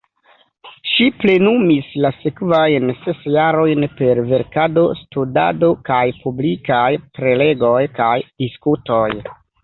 Ŝi plenumis la sekvajn ses jarojn per verkado, studado kaj publikaj prelegoj kaj diskutoj.